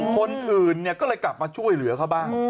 คนอื่นก็เลยกลับมาช่วยเหลือเขาบ้าง